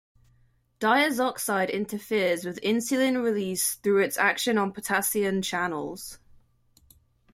Diazoxide interferes with insulin release through its action on potassium channels.